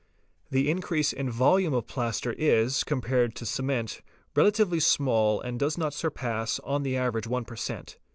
The increase in volume of plaster is, compared to cement, relatively small and does not surpass on the average one per cent.